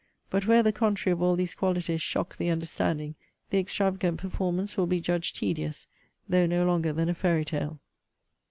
But where the contrary of all these qualities shock the understanding, the extravagant performance will be judged tedious, though no longer than a fairy tale.'